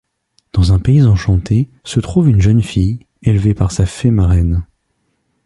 Dans un pays enchanté, se trouve une jeune fille, élevée par sa fée marraine.